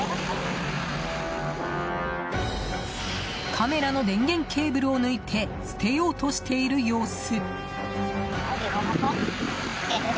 カメラの電源ケーブルを抜いて捨てようとしている様子。